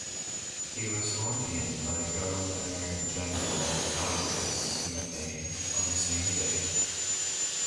He was sworn in by Governor-General Paulias Matane on the same day.